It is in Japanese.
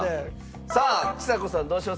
さあちさ子さんどうします？